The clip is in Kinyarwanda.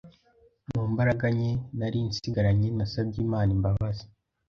Mumbaraga nke nari nsigaranye nasabye Imana imbabazi,